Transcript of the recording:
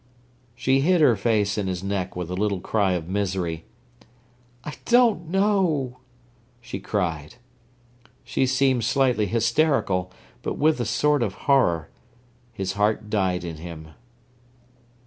She hid her face in his neck with a little cry of misery. "I don't know!" she cried. She seemed slightly hysterical, but with a sort of horror. His heart died in him.